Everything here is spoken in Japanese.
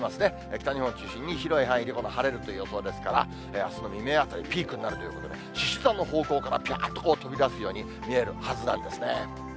北日本を中心に、広い範囲で晴れるという予想ですから、あすの未明はピークになるということで、しし座の方向から、ぴゃーっと飛び出すように見えるはずなんですね。